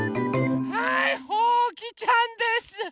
はいほうきちゃんです！